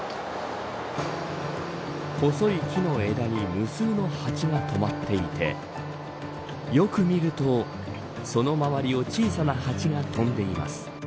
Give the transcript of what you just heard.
細い木の枝に無数のハチが止まっていてよく見ると、その周りを小さなハチが飛んでいます。